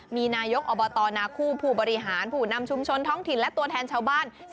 มีนายกอบตนาคู่ผู้บริหารผู้นำชุมชนท้องถิ่นและตัวแทนชาวบ้าน